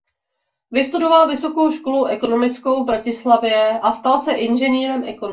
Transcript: Vystudoval Vysokou školu ekonomickou v Bratislavě a stal se inženýrem ekonomie.